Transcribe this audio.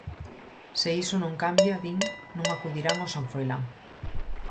Se iso non cambia, din, non acudirán ao San Froilán.